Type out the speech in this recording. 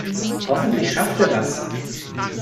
Hoffentlich schafft er das.